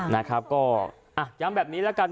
นะครับก็ย้ำแบบนี้ละกัน